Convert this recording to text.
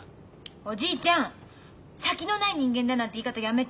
おじいちゃん先のない人間だなんて言い方やめて。